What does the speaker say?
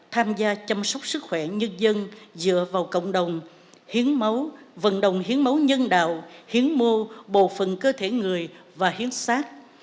tham gia chăm sóc sức khỏe nhân dân dựa vào cộng đồng hiến máu vận động hiến máu nhân đạo hiến mô phần cơ thể người và hiến sát